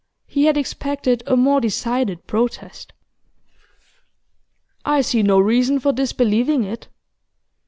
He had expected a more decided protest. 'I see no reason for disbelieving it.